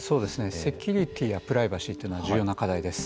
セキュリティーやプライバシーというのは重要な課題です。